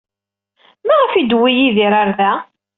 Maɣef ay d-tewwi Yidir ɣer da?